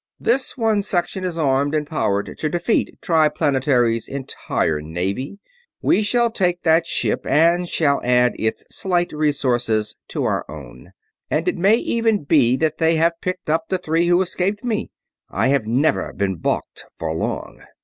"This one section is armed and powered to defeat Triplanetary's entire navy. We shall take that ship, and shall add its slight resources to our own. And it may even be that they have picked up the three who escaped me ... I have never been balked for long.